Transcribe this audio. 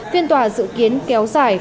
phiên tòa dự kiến kéo dài